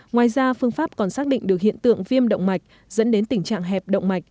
ngoài ra phương pháp còn xác định được hiện tượng viêm động mạch dẫn đến tình trạng hẹp động mạch